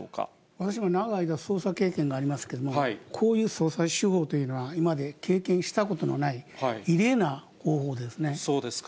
私も長い間、捜査経験がありますけれども、こういう捜査手法というのは今まで経験したことのない異例な方法そうですか。